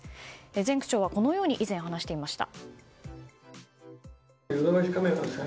前区長は以前このように話していました。